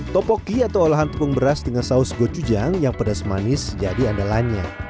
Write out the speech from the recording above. topoki atau olahan tepung beras dengan saus gocujang yang pedas manis jadi andalannya